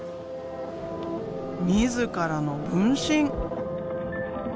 自らの分身！